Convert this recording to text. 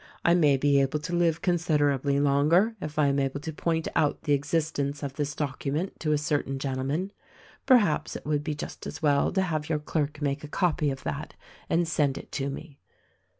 I may be able to live considerably longer if I am able to point out the existence of this docu ment to a certain gentleman. Perhaps it would be just as well to have your clerk make a copy of that and send it to me.